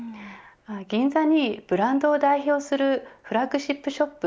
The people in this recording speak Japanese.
銀座にブランドを代表するフラッグシップショップ